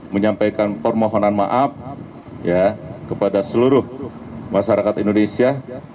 menyampaikan permohonan maaf kepada seluruh masyarakat indonesia